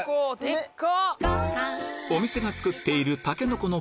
でっか！